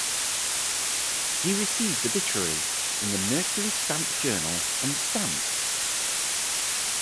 He received obituaries in the "Mercury Stamp Journal" and "Stamps".